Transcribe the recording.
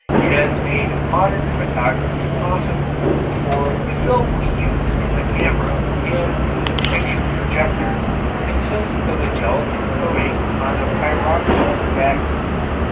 It has made modern photography possible, for the film we use in the camera and moving picture projector consists of a gelatin coating on a pyroxylin backing.